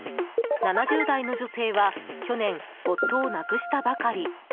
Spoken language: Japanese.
７０代の女性は去年、夫を亡くしたばかり。